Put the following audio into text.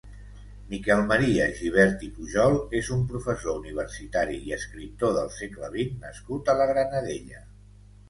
Miquel Maria Gibert i Pujol és un professor universitari i escriptor del segle vint nascut a la Granadella.